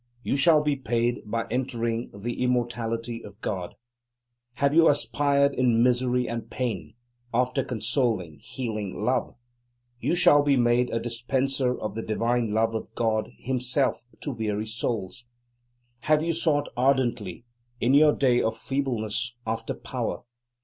You shall be paid by entering the immortality of God. Have you aspired, in misery and pain, after consoling, healing love? You shall be made a dispenser of the divine love of God Himself to weary souls. Have you sought ardently, in your day of feebleness, after power?